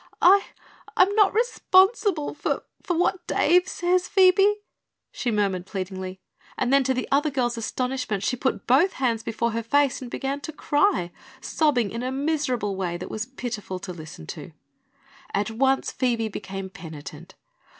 "I I'm not responsible for for what Dave says, Phoebe," she murmured pleadingly; and then to the other girl's astonishment she put both hands before her face and began to cry, sobbing in a miserable way that was pitiful to listen to. At once Phoebe became penitent.